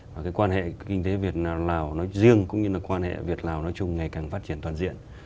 và quan hệ kinh tế việt lào riêng cũng như quan hệ việt lào ngày càng phát triển toàn diện